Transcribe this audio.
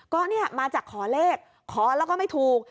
ก็เนี่ยมาจากขอเลขขอแล้วก็ไม่ถูก